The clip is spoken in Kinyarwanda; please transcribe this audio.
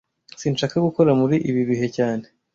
Sinshaka gukora muri ibi bihe cyane